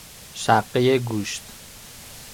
شقه گوشت